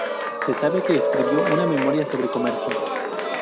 Se sabe que escribió una memoria sobre comercio.